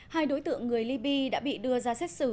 hai đối tượng người liby đã bị đưa ra xét xử